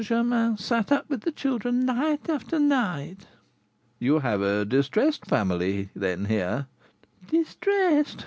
Germain sat up with the children night after night!" "You have a distressed family, then, here?" "Distressed!